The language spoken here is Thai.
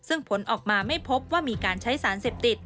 ซึ่งผลออกมาไม่พบว่ามีการใช้สารเสพติด